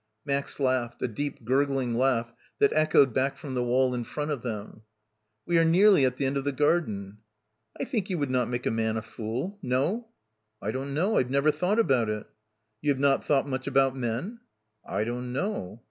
Max laughed; a deep gurgling laugh that echoed back from the wall in front of them. "We are nearly at the end of the garden." "I think you would not make a man a fool. No?" "I don't know. I've never thought about it." "You have not thought much about men." "I don't know."